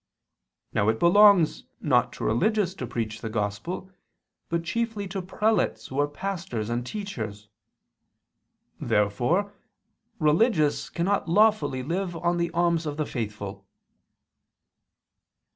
Now it belongs not to religious to preach the Gospel, but chiefly to prelates who are pastors and teachers. Therefore religious cannot lawfully live on the alms of the faithful.